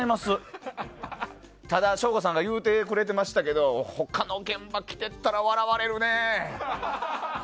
ただ、省吾さんが言うてましたけど他の現場着ていったら笑われるね。